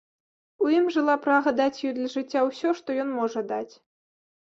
У ім жыла прага даць ёй для жыцця ўсё, што ён можа даць.